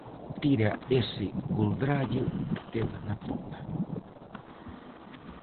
Tira ese goldrallo que queda na pota.